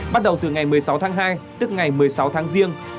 bắt đầu từ ngày một mươi sáu tháng hai tức ngày một mươi sáu tháng riêng